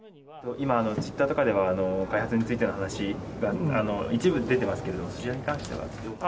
今、ツイッターとかでは開発についての話が、一部出てますけれども、それに関してはどうですか？